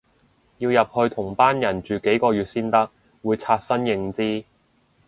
要入去同班人住幾個月先得，會刷新認知